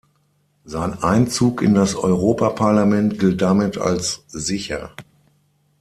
Sein Einzug in das Europaparlament gilt damit als sicher.